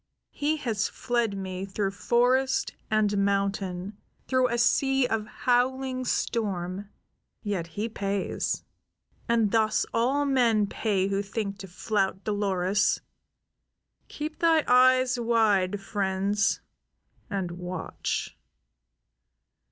He has fled me through forest and mountain; through a sea of howling storm; yet he pays. And thus all men pay who think to flout Dolores. Keep thy eyes wide, friends, and watch."